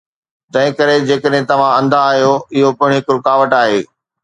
تنهن ڪري، جيڪڏهن توهان انڌا آهيو، اهو پڻ هڪ رڪاوٽ آهي